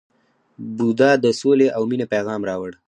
بودا د سولې او مینې پیغام راوړ.